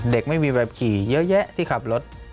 เด็กไม่มีแบบขี่เยอะที่ขับรถ